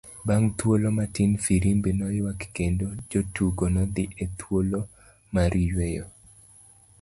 Bang' thuolo matin, firimbi noyuak kendo jotugo nodhi e thuolo mar yueyo.